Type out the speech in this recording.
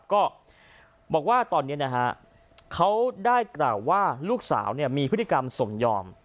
ก็บอกว่าตอนนี้นะฮะเขาได้กล่าวว่าลูกสาวมีพฤติกรรมสมยอม